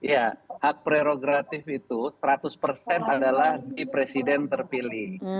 ya hak prerogatif itu seratus persen adalah di presiden terpilih